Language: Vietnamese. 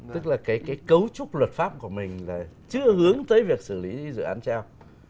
tức là cái cấu trúc luật pháp của mình là chưa hướng tới việc xử lý dự án treo